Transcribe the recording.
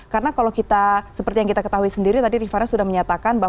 karena kalau kita seperti yang kita ketahui sendiri tadi rifatnya sudah menyatakan